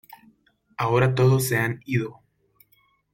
Ahora todos se han ido